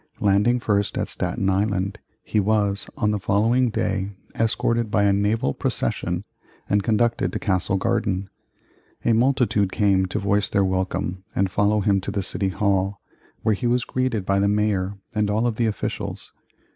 Landing first at Staten Island, he was, on the following day, escorted by a naval procession and conducted to Castle Garden. A multitude came to voice their welcome and follow him to the City Hall, where he was greeted by the Mayor and all of the officials.